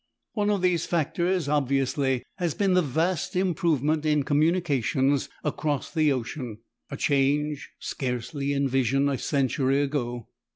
One of these factors, obviously, has been the vast improvement in communications across the ocean, a change scarcely in vision a century ago.